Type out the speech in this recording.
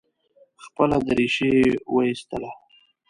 خپله درېشي یې وایستله.